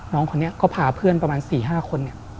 น้องคนนี้ก็พาเพื่อนประมาณ๔๕คนเนี่ย